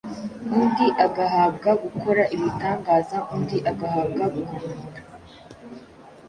undi agahabwa gukora ibitangaza, undi agahabwa guhanura,